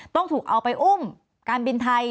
ต้องถูกเอาไปอุ้มการบินไทย